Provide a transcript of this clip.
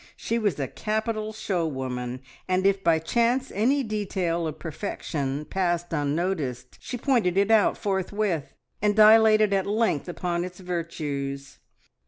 She was a capital show woman, and if by chance any detail of perfection passed unnoticed, she pointed it out forthwith, and dilated at length upon its virtues.